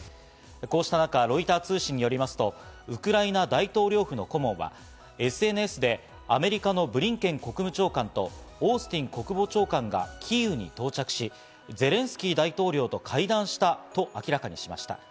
こうした中、ロイター通信によりますと、ウクライナ大統領府の顧問はＳＮＳでアメリカのブリンケン国務長官とオースティン国防長官がキーウに到着し、ゼレンスキー大統領と会談したと明らかにしました。